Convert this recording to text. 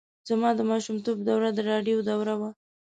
زما د ماشومتوب دوره د راډیو دوره وه.